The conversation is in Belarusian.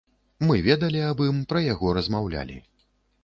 Мы ведалі аб ім, пра яго размаўлялі.